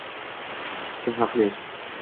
kim haqli